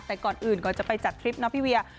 แต่ก่อนอื่นก่อนจะไปจัดทริปนะพี่เวีย